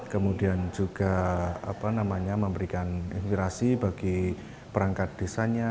kemudian juga memberikan inspirasi bagi perangkat desanya